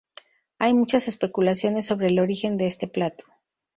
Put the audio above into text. Hay muchas especulaciones sobre el origen de este plato.